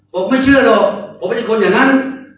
ผมไม่เชื่อหรอกผมไม่ใช่คนอย่างนั้น